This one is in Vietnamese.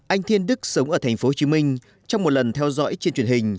anh thiên đức sống ở tp hcm trong một lần theo dõi trên truyền hình